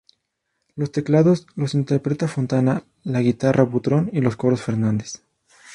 Los teclados los interpreta Fontana, la guitarra Butrón y los coros Fernández.